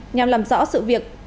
nhằm làm rõ sự việc